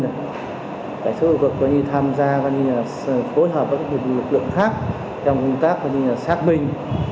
cảnh sát khu vực tham gia phối hợp với lực lượng khác trong công tác xác binh